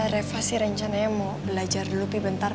bukan bercanda ya mau belajar dulu bi bentar